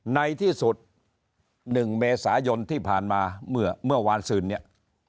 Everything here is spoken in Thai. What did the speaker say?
ในที่สุด๑เมษายนที่ผ่านมาเมื่อวานซืนเนี่ย